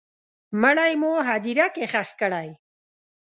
مړی مو هدیره کي ښخ کړی